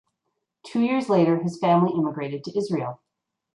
Two years later his family immigrated to Israel.